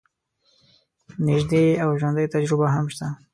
نژدې او ژوندۍ تجربې هم شته.